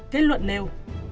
kết luận nêu